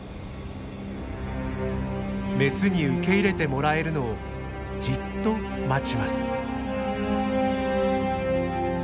メスに受け入れてもらえるのをじっと待ちます。